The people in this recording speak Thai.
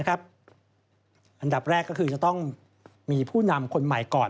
อันดับแรกก็คือจะต้องมีผู้นำคนใหม่ก่อน